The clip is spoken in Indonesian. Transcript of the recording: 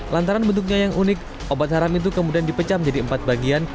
lantaran bentuknya yang unik obat haram itu kemudian dipecah menjadi empat bagian